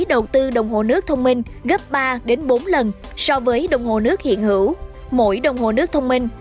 đầu tư đồng hồ nước thông minh gấp ba bốn lần so với đồng hồ nước hiện hữu mỗi đồng hồ nước thông minh